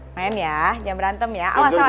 main ya jangan berantem ya awas awas